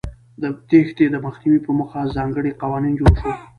د تېښتې د مخنیوي په موخه ځانګړی قانون جوړ شو.